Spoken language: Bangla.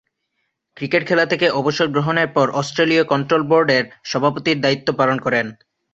ক্রিকেট খেলা থেকে অবসর গ্রহণের পর অস্ট্রেলীয় কন্ট্রোল বোর্ডের সভাপতির দায়িত্ব পালন করেন।